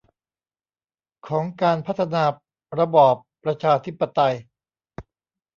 ของการพัฒนาระบอบประชาธิปไตย